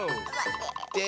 で